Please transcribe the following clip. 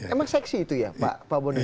emang seksi itu ya pak boni